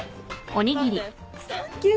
おっサンキュー！